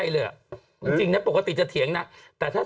โรคเลยเหรอ